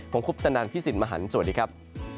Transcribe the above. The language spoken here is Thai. ผมคุปตนันพี่สิทธิ์มหันฯสวัสดีครับ